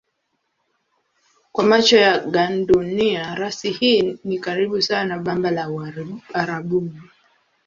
Kwa macho ya gandunia rasi hii ni karibu sawa na bamba la Uarabuni.